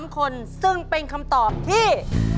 ๓คนซึ่งเป็นคำตอบที่